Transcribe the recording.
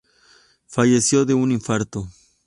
Falleció de un infarto.